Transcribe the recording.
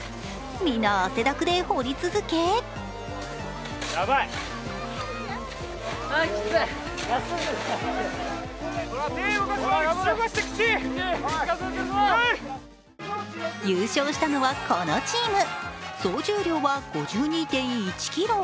皆、汗だくで掘り続け優勝したのはこのチーム、総重量は５２．１ｋｇ。